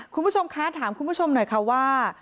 คุณผู้ชมคะถามคุณผู้ชมหน่อยค่ะว่า